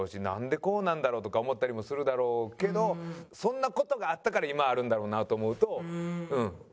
なんでこうなんだろう？とか思ったりもするだろうけどそんな事があったから今あるんだろうなと思うとうん。